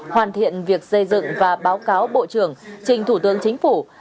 hoàn thiện việc xây dựng và báo cáo bộ trưởng trình thủ tướng chính phủ